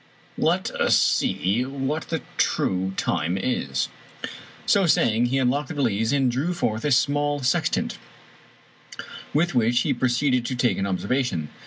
Let us see what the true time is." So saying, he unlocked the valise and drew forth a small sextant, with which he proceeded to take an observation.